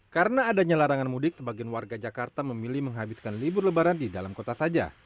karena ada nyelarangan mudik sebagian warga jakarta memilih menghabiskan libur lebaran di dalam kota saja